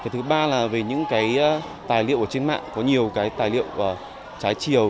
thứ ba là về những cái tài liệu ở trên mạng có nhiều cái tài liệu trái chiều